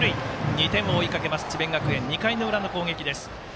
２点を追いかけます智弁学園２回の裏の攻撃です。